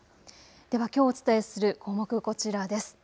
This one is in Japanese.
ではきょうお伝えする項目、こちらです。